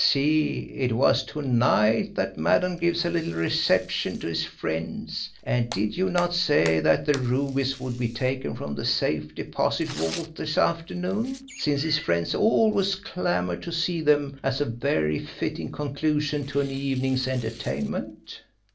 See, it was to night that Maddon gives a little reception to his friends, and did you not say that the rubies would be taken from the safe deposit vault this afternoon since his friends always clamoured to see them as a very fitting conclusion to an evening's entertainment?